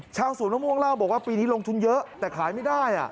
สวนมะม่วงเล่าบอกว่าปีนี้ลงทุนเยอะแต่ขายไม่ได้